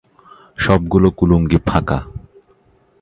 সব গুলো কুলুঙ্গি ফাঁকা।